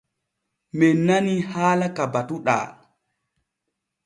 Men nanii haala ka batuɗaa.